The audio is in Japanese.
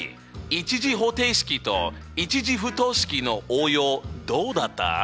１次方程式と１次不等式の応用どうだった？